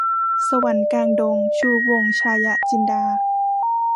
สวรรค์กลางดง - ชูวงศ์ ฉายะจินดา